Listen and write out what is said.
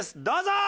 どうぞ！